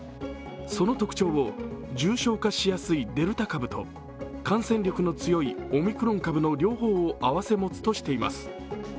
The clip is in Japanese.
その特徴を重症化しやすいデルタ株と感染力の強いオミクロン株の両方を併せ持つとしています。